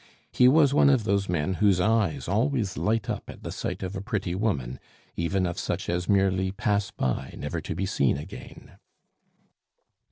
He was one of those men whose eyes always light up at the sight of a pretty woman, even of such as merely pass by, never to be seen again.